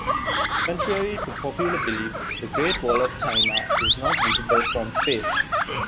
Contrary to popular belief, the Great Wall of China is not visible from space.